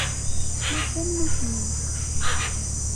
Tettlus am nutni.